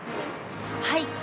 はい。